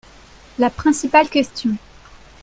La principale question.